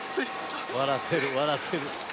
笑ってる笑ってる。